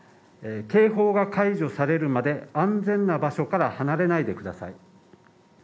警報が解除されるまで、安全な場所から離れないでください。